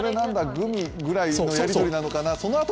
グミぐらいのやり取りなのかな。